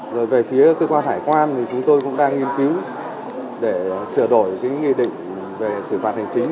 rồi về phía cơ quan hải quan thì chúng tôi cũng đang nghiên cứu để sửa đổi cái nghị định về xử phạt hành chính